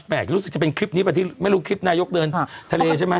รู้สึกจะเป็นคลิปนี้ป่ะที่ไม่รู้คลิปนายกเดินทะเลใช่ไหม